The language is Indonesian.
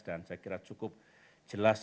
dan saya kira cukup jelas